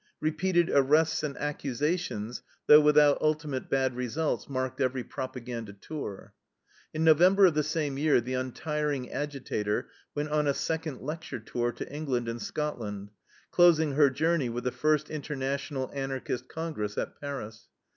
Repeated arrests and accusations, though without ultimate bad results, marked every propaganda tour. In November of the same year the untiring agitator went on a second lecture tour to England and Scotland, closing her journey with the first International Anarchist Congress at Paris.